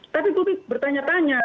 tapi bu bik bertanya tanya